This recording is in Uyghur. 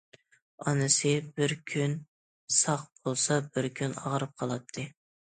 ئانىسى بىر كۈن ساق بولسا بىر كۈن ئاغرىپ قالاتتى.